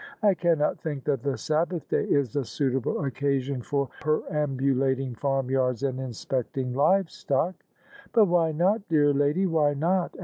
" I cannot think that the Sabbath day is a suitable occasion for peram bulating farmyards and inspecting livestock." " But why not, dear lady, why not?